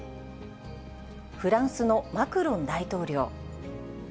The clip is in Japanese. フランスのマクロン大統領。